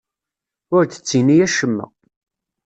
Ur d-ttini acemma.